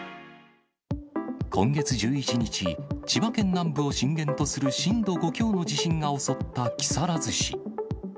今月１１日、千葉県南部を震源とする震度５強の地震が襲った木更津市。